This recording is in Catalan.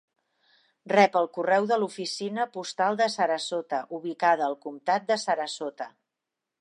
Rep el correu de l'oficina postal de Sarasota, ubicada al comtat de Sarasota.